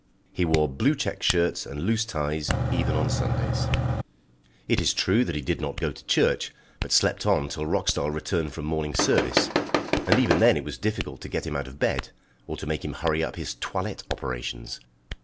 He wore blue check shirts and loose ties even on Sundays. It is true he did not go to church, but slept on till Roxdal returned from morning service, and even then it was difficult to get him out of bed, or to make him hurry up his toilette operations.